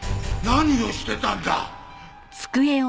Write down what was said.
何をしてたんだ？